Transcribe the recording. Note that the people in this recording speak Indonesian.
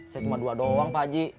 saya cuma dua doang pak haji